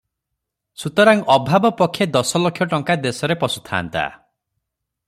ସୁତରାଂ ଅଭାବ ପକ୍ଷେ ଦଶଲକ୍ଷ ଟଙ୍କା ଦେଶରେ ପଶୁଥାନ୍ତା ।